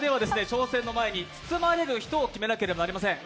挑戦の前に包まれる人を決めなければいけません。